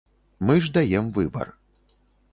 Мы ж даем выбар.